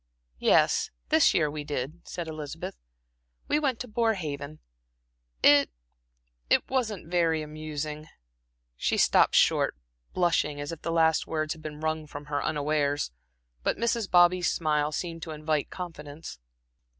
"Yes, this year we did," said Elizabeth. "We went to Borehaven. It it wasn't very amusing." She stopped short blushing as if the last words had been wrung from her unawares; but Mrs. Bobby's smile seemed to invite confidence.